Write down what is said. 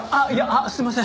すいません。